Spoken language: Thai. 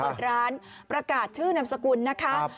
เปิดร้านประกาศชื่อนามสกุลนะคะ